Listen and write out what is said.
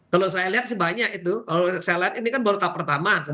kalau saya lihat sih banyak itu saya lihat ini kan baru tahap pertama